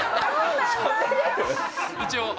一応。